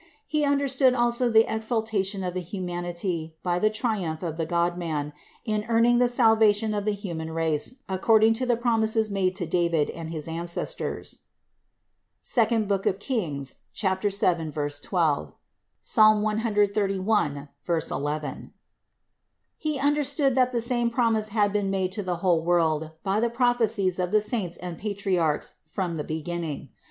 He understood also the exaltation of the Humanity by the triumph of the Godman, in earning the salvation of the human race according to the promises made to David and his ances tors (II Kings 7, 12; Ps. 131, 11). He understood that the same promise had been made to the whole world by the prophecies of the Saints and Patriarchs from the beginning.